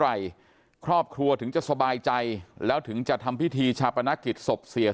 อะไรครอบครัวถึงจะสบายใจแล้วถึงจะทำพิธีชาปนกิจศพเสีย